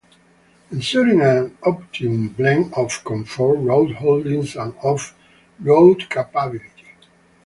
Ensuring an optimum blend of comfort, road holding and off road capability.